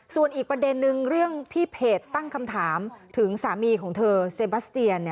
ส่วนอีกประเด็นนึงเรื่องที่เพจตั้งคำถามถึงสามีของเธอเซบัสเตียน